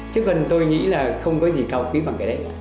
chứ còn tôi nghĩ là không có gì cao quý bằng cái đấy